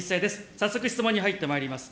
早速質問に入ってまいります。